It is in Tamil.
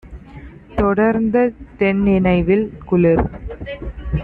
தொடர்ந்த தென்நினைவில்! - குளிர்